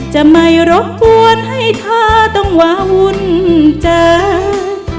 จะไม่รบกวนให้เธอต้องวาวุ่นเจอ